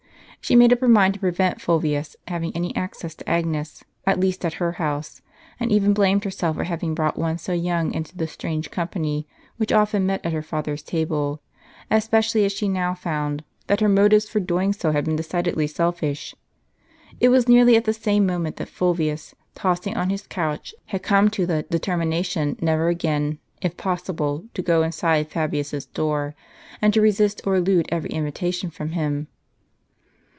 She made up her mind to prevent Fulvius having any access to Agnes, at least at her house; and even blamed herself for having brought one so young into the strange company which often met at her father's table, especially as she now found that her motives for doing so had been decidedly selfish. It was nearly at the same moment that Fulvius, tossing on his couch, had come to the determination never again, if jiossible, to go inside Fabius's door, and to resist or elude every invitation from him.